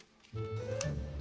lo beresin ya